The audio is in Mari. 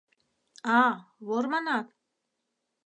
— А, вор манат?